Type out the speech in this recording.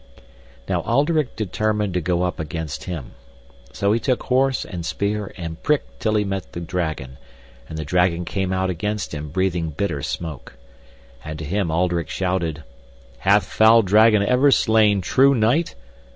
Now Alderic determined to go up against him. So he took horse and spear and pricked till he met the dragon, and the dragon came out against him breathing bitter smoke. And to him Alderic shouted, "Hath foul dragon ever slain true knight?"